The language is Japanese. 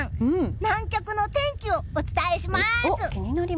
南極の天気をお伝えします！